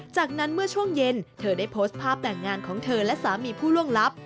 จากนั้นเมื่อช่วงเย็นเธอได้โพสต์ภาพแต่งงานของเธอและสามีผู้ล่วงลับ